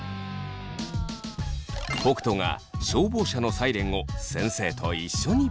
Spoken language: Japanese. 北斗が消防車のサイレンを先生と一緒に。